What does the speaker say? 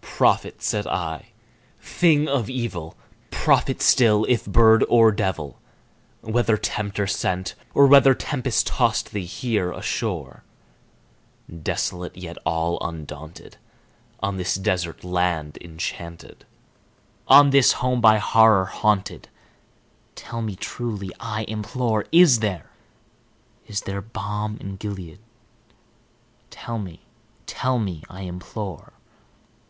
"Prophet!" said I, "thing of evil! prophet still, if bird or devil! Whether Tempter sent, or whether tempest tossed thee here ashore, Desolate yet all undaunted, on this desert land enchanted On this home by Horror haunted tell me truly, I implore Is there is there balm in Gilead? tell me tell me, I implore!"